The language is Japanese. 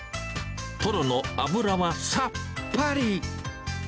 トロの脂はさっぱり。